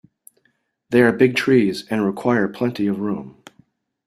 They are big trees and require plenty of room.